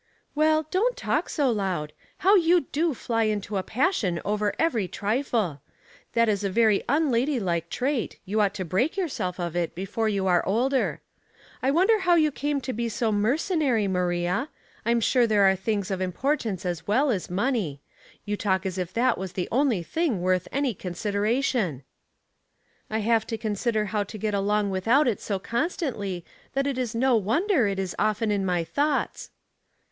" Well, don't talk so loud. How you do fly into a passion over every trifle. That is a very unlady like trait. You ought to break yourself of it before you are older. I wonder how yoii came to be so mercenary, Maria ? I'm sure there are other things ot importance as well as money. You talk as if that was the only thing worth any consideration." " I have to consider how to get along without it so constantly, that it is no wonder it is often in my thoughts."